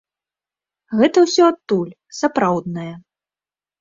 Гэта ўсё адтуль, сапраўднае.